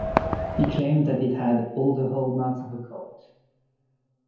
He claimed that it had "all the hallmarks of a cult".